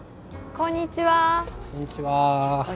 こんにちは。